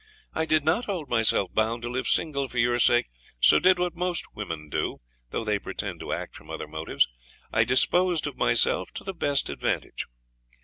I did not hold myself bound to live single for your sake, so did what most women do, though they pretend to act from other motives, I disposed of myself to the best advantage.